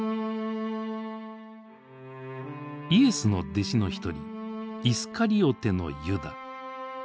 イエスの弟子の一人イスカリオテのユダ。